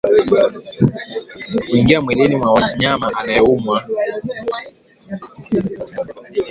huingia mwilini mwa mnyama anayeumwa